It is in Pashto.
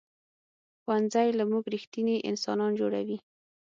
ښوونځی له موږ ریښتیني انسانان جوړوي